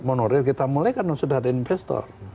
monorail kita mulai karena sudah ada investor